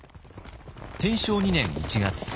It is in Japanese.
天正２年１月。